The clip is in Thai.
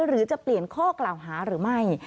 หรือจะเปลี่ยนข้อกล่าวหาหรือไม่